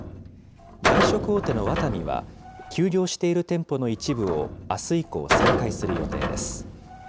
外食大手のワタミは、休業している店舗の一部をあす以降、再開する予定です。